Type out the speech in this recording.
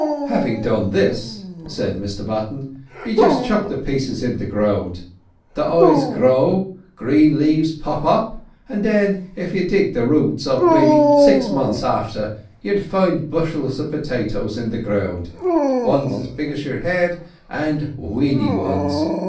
"Having done this," said Mr Button, "you just chuck the pieces in the ground; their eyes grow, green leaves 'pop up,' and then, if you dug the roots up maybe, six months after, you'd find bushels of potatoes in the ground, ones as big as your head, and weeny ones.